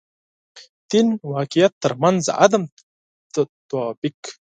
دین واقعیت تر منځ عدم تطابق.